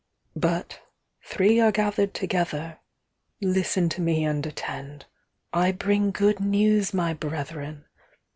"But—three are gathered together—Listen to me and attend.I bring good news, my brethren!"